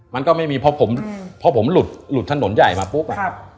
มันก็ไม่มีเพราะผมพอผมหลุดถนนใหญ่มาปุ๊บ